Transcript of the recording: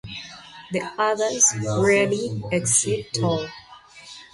The others rarely exceed tall.